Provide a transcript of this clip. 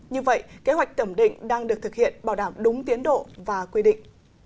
như vậy kế hoạch thẩm định đang được thực hiện bảo đảm đúng tiến độ và quy định